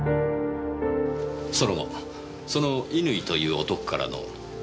その後その乾という男からの電話は？